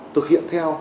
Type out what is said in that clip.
thực hiện theo